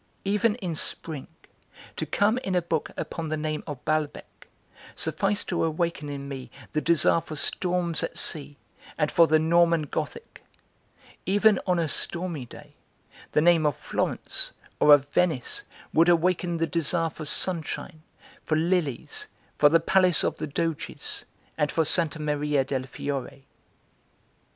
Even in spring, to come in a book upon the name of Balbec sufficed to awaken in me the desire for storms at sea and for the Norman gothic; even on a stormy day the name of Florence or of Venice would awaken the desire for sunshine, for lilies, for the Palace of the Doges and for Santa Maria del Fiore.